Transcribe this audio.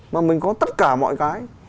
mà mình có tất cả mọi cái